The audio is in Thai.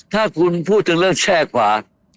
ถ้าคุณพูดถึงเรื่องแช่กว่า